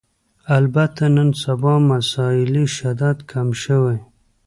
البته نن سبا مسألې شدت کم شوی